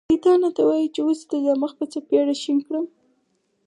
شیطان را ته وايي چې اوس دې دا مخ په څپېړو شین کړم.